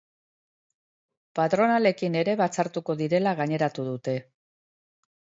Patronalekin ere batzartuko direla gaineratu dute.